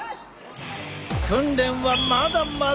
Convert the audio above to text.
訓練はまだまだ！